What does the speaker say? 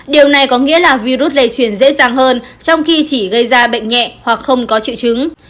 điều này có nghĩa là virus lây truyền dễ dàng hơn trong khi chỉ gây ra bệnh nhẹ hoặc không có triệu chứng